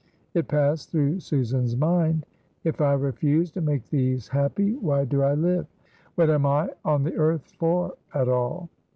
It passed through Susan's mind: "If I refuse to make these happy, why do I live, what am I on the earth for at all?"